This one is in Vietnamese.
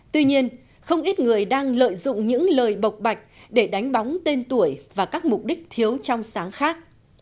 tuy nhiên không ít người đang lợi dụng những lời bộc bạch để đánh bóng tên tuổi và các mục đích thiếu trong sáng khác